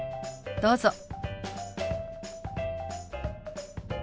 どうぞ。